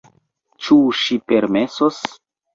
Ĉu ŝi permesos,?